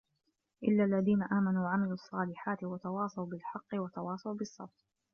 إِلَّا الَّذينَ آمَنوا وَعَمِلُوا الصّالِحاتِ وَتَواصَوا بِالحَقِّ وَتَواصَوا بِالصَّبرِ